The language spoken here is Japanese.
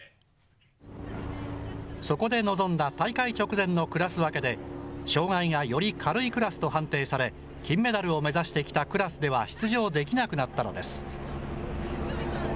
そこで臨んだ大会直前のクラス分けで、障害がより軽いクラスと判定され、金メダルを目指してきたクラスでは出場できなくなったのです。